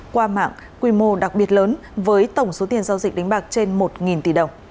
qua mạng quy mô đặc biệt lớn với tổng số tiền giao dịch đánh bạc trên một tỷ đồng